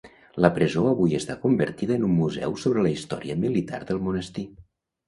La presó avui està convertida en un museu sobre la història militar del monestir.